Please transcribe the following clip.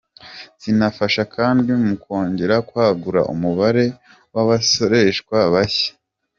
Zinafasha kandi mu kongera kwagura umubare w’abasoreshwa bashya.